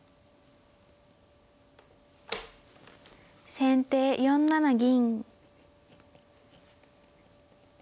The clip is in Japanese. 先手４七銀。